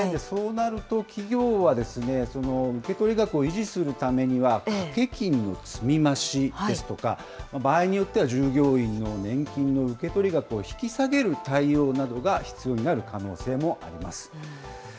そうなると企業は、受け取り額を維持するためには、掛金の積み増しですとか、場合によっては従業員の年金の受け取り額を引き下げる対応などが必要になる可能性もあります。